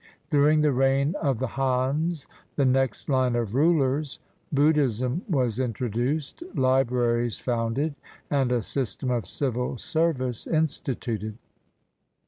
During the reign of the Hans, the next line of rulers, Buddhism was introduced, libraries founded, and a system of civil service instituted.